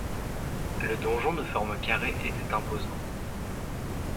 Le donjon de forme carrée était imposant.